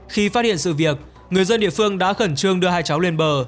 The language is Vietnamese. khi phát hiện sự việc người dân địa phương đã khẩn trương đưa hai cháu lên bờ